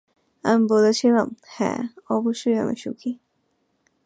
আমি বলেছিলাম, হ্যাঁ, অবশ্যই, আমি সুখী।